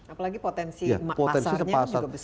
apalagi potensi pasarnya juga besar